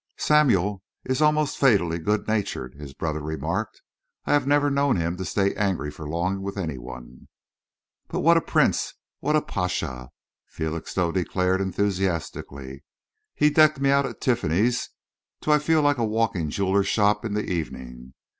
"Samuel is almost fatally good natured," his brother remarked. "I have never known him to stay angry for long with any one." "But what a prince! What a pasha!" Felixstowe declared enthusiastically. "He decked me out at Tiffany's till I feel like a walking jeweller's shop in the evening.